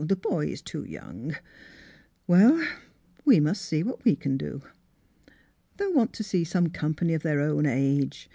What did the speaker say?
The boy is too young. "Well ; we must THE HILL FAMILY 67 see what we can do. They'll want to see some company of their o^vn age.